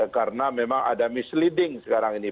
karena memang ada misleading sekarang ini